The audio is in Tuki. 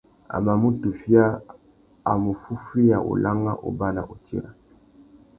A mà mù tufia, a mù fúffüiya ulangha, ubana, utira.